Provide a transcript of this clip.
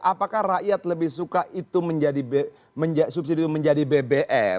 apakah rakyat lebih suka itu menjadi bbm